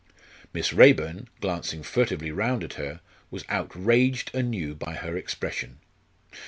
Miss Raeburn, glancing furtively round at her, was outraged anew by her expression.